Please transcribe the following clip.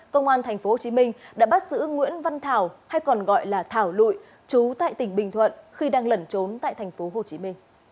công an tp hcm đã bắt giữ nguyễn văn thảo hay còn gọi là thảo lụi chú tại tỉnh bình thuận khi đang lẩn trốn tại tp hcm